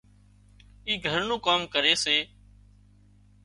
اِي گھر نُون ڪام ڪري سي